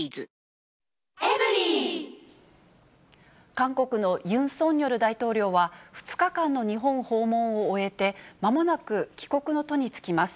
韓国のユン・ソンニョル大統領は、２日間の日本訪問を終えて、まもなく帰国の途に就きます。